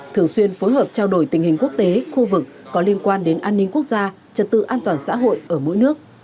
thường xuyên phối hợp trao đổi tình hình quốc tế khu vực có liên quan đến an ninh quốc gia trật tự an toàn xã hội ở mỗi nước